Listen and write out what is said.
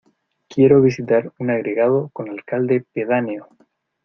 Quiero visitar un agregado con alcalde pedáneo.